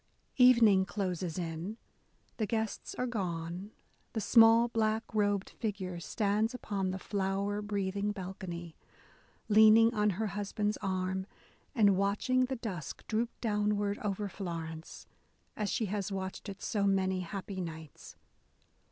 * Evening closes in ; the guests are gone ; the small black robed figure stands upon the flower breathing balcony, leaning on her husband's arm, and watching the dusk droop downward over Florence, as she has watched it so many happy nights.